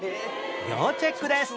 要チェックです！